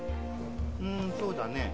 うーんそうだねえ。